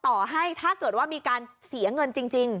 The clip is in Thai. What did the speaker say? ต่อให้ถ้าเกิดว่ามีการเสียเงินจริง